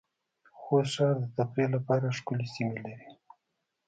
خوست ښار د تفریح لپاره ښکلې سېمې لرې